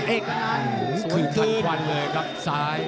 เอกกะนันส่วนทันควันเลยครับซ้าย